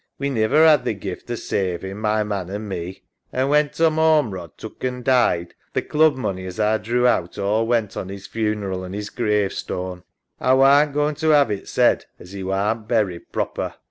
We never 'ad the gift o' savin', my man and me. An' when Tom Ormerod took 290 LONESOME LIKE an' died, the club money as A drew all went on 'is funeral an' is gravestone. A warn't goin' to 'ave it said as 'e warn't buried proper.